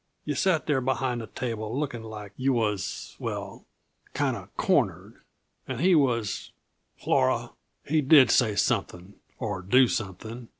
Yuh sat there behind the table looking like yuh was well, kinda cornered. And he was Flora, he did say something, or do something!